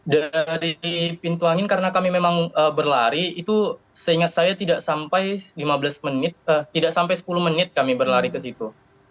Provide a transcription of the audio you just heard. dari pintu angin karena kami memang berlari itu seingat saya tidak sampai lima belas menit tidak sampai sepuluh menit kami berlari ke situ